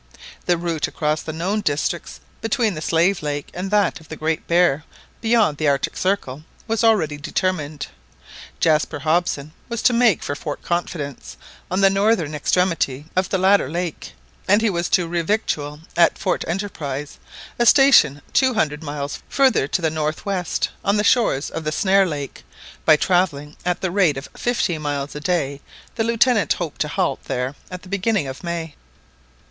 The route across the known districts, between the Slave Lake and that of the Great Bear beyond the Arctic Circle, was already determined. Jaspar Hobson was to make for Fort Confidence, on the northern extremity of the latter lake; and he was to revictual at Fort Enterprise, a station two hundred miles further to the north west, on the shores of the Snare Lake, By travelling at the rate of fifteen miles a day the Lieutenant hoped to halt there about the beginning of May.